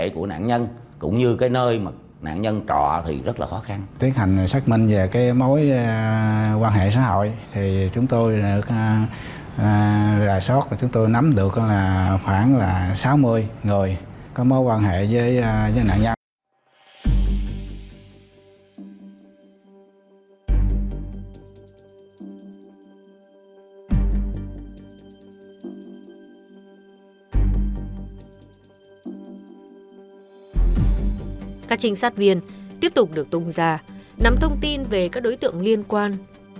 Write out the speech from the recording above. các trinh sát viên tiếp tục được tung ra nắm thông tin về các đối tượng liên quan